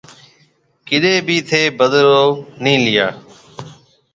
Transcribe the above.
ڪڏيَ ڀِي ٿَي بدلو نِي ليا۔